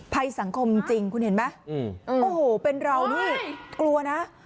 ภัยสังคมจริงคุณเห็นไหมโอ้โหเป็นเรานี่กลัวนะ